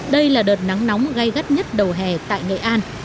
đây là đợt nắng nóng gây gắt nhất đầu hè tại nghệ an